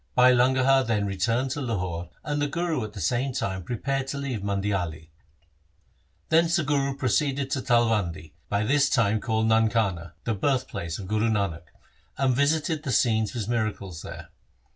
Bhai Langaha then re turned to Lahore, and the Guru at the same time prepared to leave Mandiali. Thence the Guru proceeded to Talwandi, by this time called Nankana, the birthplace of Guru Nanak, and visited the scenes of his miracles there.